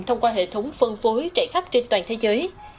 thông qua hệ thống phân phối trải khắp trên toàn thế giới